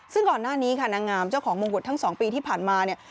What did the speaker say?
ซึ่งก่อนหน้านี้ค่ะนางงามเจ้าของมงกุฎทั้ง๒ปีที่ผ่านมาเนี่ย